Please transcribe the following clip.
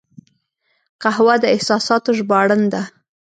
قهوه د احساساتو ژباړن ده